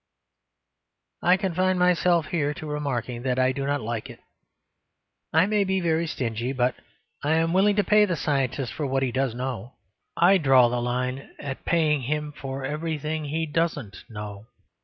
I confine myself here to remarking that I do not like it. I may be very stingy, but I am willing to pay the scientist for what he does know; I draw the line at paying him for everything he doesn't know.